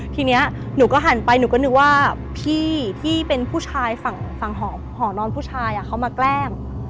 ทีนี้หนูก็หันไปหนูก็นึกว่าพี่ที่เป็นผู้ชายฝั่งหอนอนผู้ชายเขามาแกล้ง